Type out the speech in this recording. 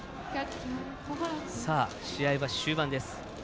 試合は終盤です。